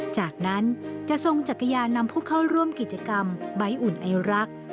จากนั้นจะทรงจักรยานนำผู้เข้าร่วมกิจกรรมใบ้อุ่นไอรัก